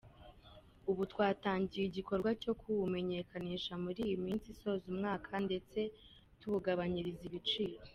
Ubu twatangiye igikorwa cyo kuwumenyekanisha muri iyi minsi isoza umwaka ndetse tuwugabanyiriza ibiciro.